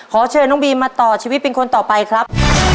ขอเชิญน้องบีมมาต่อชีวิตเป็นคนต่อไปครับ